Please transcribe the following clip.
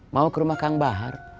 mau ke rumah kang bahar